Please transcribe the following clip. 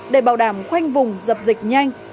để bảo đảm khoanh vùng dập dịch nhanh